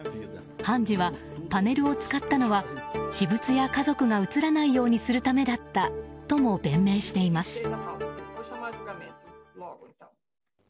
判事はパネルを使ったのは私物や家族が映らないようにするためだったとも弁明しています。